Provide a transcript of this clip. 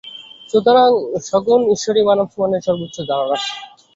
সুতরাং সগুণ ঈশ্বরই মানব-মনের সর্ব্বোচ্চ ধারণা।